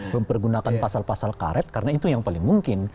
mempergunakan pasal pasal karet karena itu yang paling mungkin